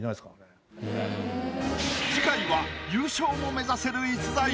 次回は優勝も目指せる逸材。